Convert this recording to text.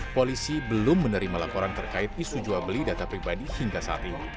polisi belum menerima laporan terkait isu jual beli data pribadi hingga saat ini